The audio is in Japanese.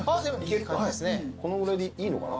このぐらいでいいのかな。